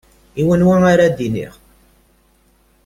I wana ara d-iniɣ?